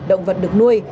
động vật được nuôi